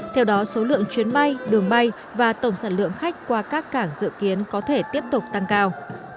theo đó số lượng chuyến bay đường bay và tổng sản lượng khách qua các cảng dự kiến có thể tiếp tục tăng cao